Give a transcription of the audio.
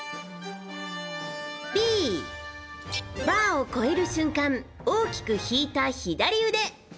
Ｂ、バーを越える瞬間大きく引いた左腕。